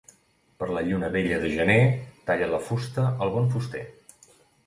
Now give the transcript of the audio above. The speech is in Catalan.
Per la lluna vella de gener talla la fusta el bon fuster.